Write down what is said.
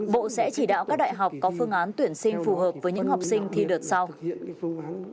bộ sẽ chỉ đạo các đại học có phương án tuyển sinh phù hợp với những học sinh thi đợt sau